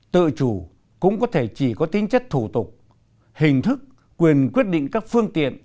tự chủ cũng có thể chỉ có tính chất thủ tục hình thức quyền quyết định các phương tiện